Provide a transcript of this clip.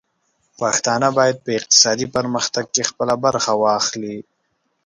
پښتانه بايد په اقتصادي پرمختګ کې خپله برخه واخلي.